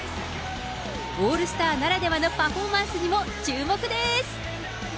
オールスターならではのパフォーマンスにも注目です。